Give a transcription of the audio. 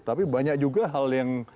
tapi banyak juga hal yang